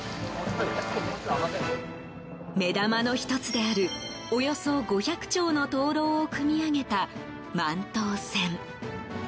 目玉の１つであるおよそ５００丁の灯篭を組み上げた、万灯船。